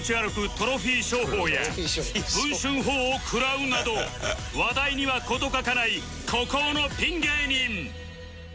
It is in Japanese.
トロフィー商法や文春砲を食らうなど話題には事欠かない孤高のピン芸人